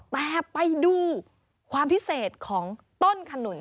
แต่ไปดูความพิเศษของต้นขนุน